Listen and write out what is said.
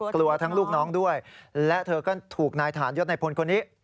กลัวทั้งลูกน้องด้วยและเธอก็ถูกนายฐานยศในพลคนนี้